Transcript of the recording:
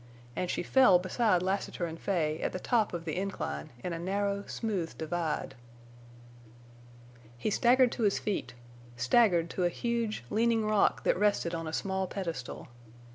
And she fell beside Lassiter and Fay at the top of the incline in a narrow, smooth divide. He staggered to his feet—staggered to a huge, leaning rock that rested on a small pedestal.